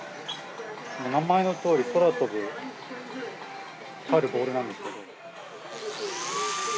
名前のとおり空飛ぶ光るボールなんですけど。